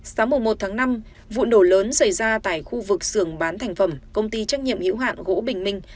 sáng một mươi một tháng năm vụ nổ lớn xảy ra tại khu vực xưởng bán thành phẩm công ty trách nhiệm hữu hạng gỗ bình minh